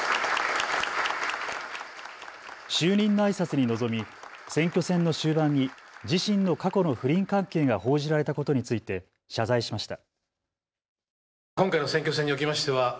就任のあいさつに臨み選挙戦の終盤に自身の過去の不倫関係が報じられたことについて謝罪しました。